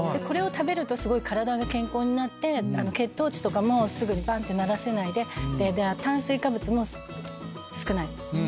これを食べるとすごい体が健康になって血糖値とかもすぐにばんってならせないで炭水化物も少ない。